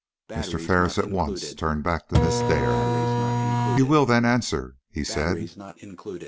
Mr. Ferris at once turned back to Miss Dare. "You will, then, answer," he said.